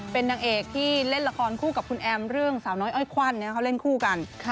เป็นนางเอกที่เล่นละครคู่กับคุณแอมเรื่องสาวน้อยอ้อยควันเขาเล่นคู่กัน